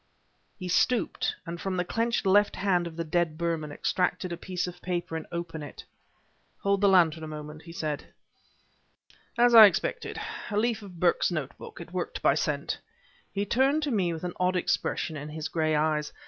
He stooped, and from the clenched left hand of the dead Burman, extracted a piece of paper and opened it. "Hold the lantern a moment," he said. In the yellow light he glanced at the scrap of paper. "As I expected a leaf of Burke's notebook; it worked by scent." He turned to me with an odd expression in his gray eyes.